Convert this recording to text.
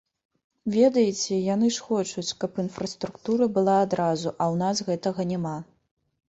Ведаеце, яны ж хочуць, каб інфраструктура была адразу, а ў нас гэтага няма.